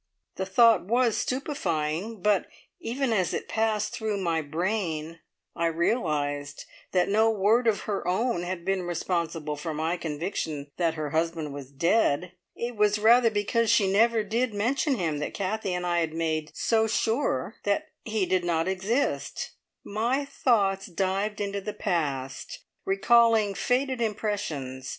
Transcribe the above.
The thought was stupefying, but even as it passed through my brain, I realised that no word of her own had been responsible for my conviction that her husband was dead. It was rather because she never did mention him that Kathie and I had made so sure that he did not exist. My thoughts dived into the past, recalling faded impressions.